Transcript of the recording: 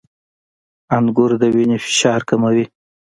• انګور د وینې فشار کموي.